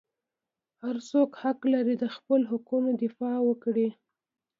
هر څوک حق لري د خپلو حقوقو دفاع وکړي.